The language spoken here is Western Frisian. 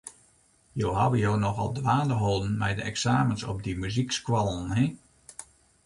Jo hawwe jo nochal dwaande holden mei de eksamens op dy muzykskoallen, hin.